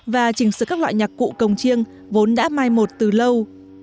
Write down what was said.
và chỉnh sửa các loại nhạc cụ cồng chiêng vốn đã mai một từ lâu